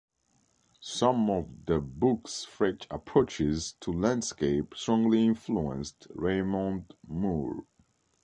Some of the book's fresh approaches to landscape strongly influenced Raymond Moore.